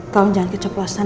kau jangan keceplasan